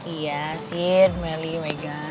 iya sih melih meja